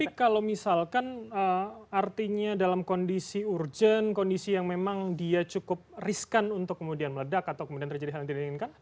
tapi kalau misalkan artinya dalam kondisi urgent kondisi yang memang dia cukup riskan untuk kemudian meledak atau kemudian terjadi hal yang tidak diinginkan